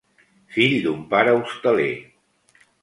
Fill d'un pare hostaler.